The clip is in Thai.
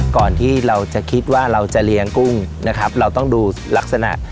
ก่อนที่เราจะคิดว่าเราจะเลี้ยงกุ้งนะครับเราต้องดูลักษณะ